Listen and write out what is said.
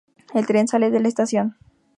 El tren sale de la estación.